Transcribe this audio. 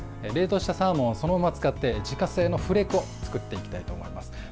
冷凍したサーモンをそのまま使って自家製のフレークを作っていきたいと思います。